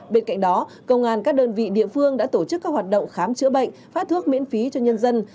bên cạnh đó công an các đơn vị địa phương đã tổ chức các hoạt động khám chữa bệnh phát thuốc miễn phí cho nhân dân